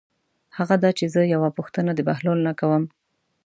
هغه دا چې زه یوه پوښتنه د بهلول نه کوم.